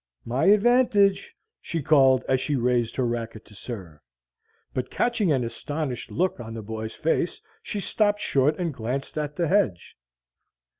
"My advantage!" she called as she raised her racket to serve. But catching an astonished look on the boy's face, she stopped short and glanced at the hedge.